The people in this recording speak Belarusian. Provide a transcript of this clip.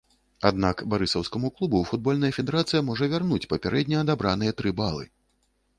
Аднак барысаўскаму клубу футбольная федэрацыя можа вярнуць папярэдне адабраныя тры балы.